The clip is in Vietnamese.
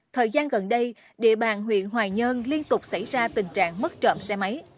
thời gian gần đây địa bàn huyện hoài nhơn liên tục xảy ra tình trạng mất trộm xe máy